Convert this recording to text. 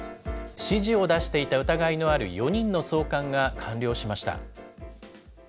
指示を出していた疑いのある４人の送還が完了しました。